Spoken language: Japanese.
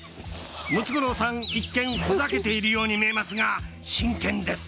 ムツゴロウさん一見、ふざけているように見えますが、真剣です。